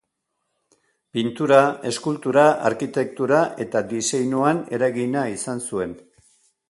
Pintura, eskultura, arkitektura eta diseinuan eragina izan zuen.